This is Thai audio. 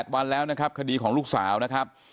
วันแล้วนะครับคดีของลูกสาวนะครับ